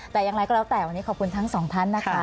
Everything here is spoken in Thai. แต่อย่างไรก็แล้วแต่วันนี้ขอบคุณทั้งสองท่านนะคะ